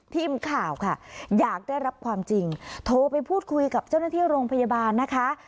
ทีมข่าวค่ะอยากได้รับความจริงโทรไปพูดคุยกับเจ้าหน้าที่โรงพยาบาลนะคะ